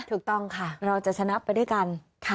ถูกต้องค่ะเราจะชนะไปด้วยกัน